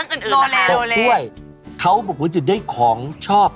เรื่องอื่นนะคะโรเลคุกด้วยเขาบุคคลจะได้ของชอบ